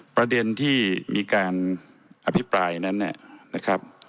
ประเด็นที่มีการอภิปรายนั้นนะครับ